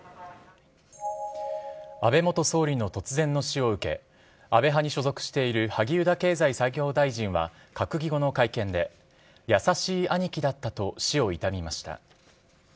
安倍元総理の突然の死を受け、安倍派に所属している萩生田経済産業大臣は、閣議後の会見で、優しい兄貴だったと死を悼みました。